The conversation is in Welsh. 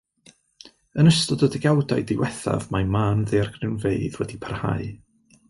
Yn ystod y degawdau diwethaf mae mân ddaeargrynfeydd wedi parhau.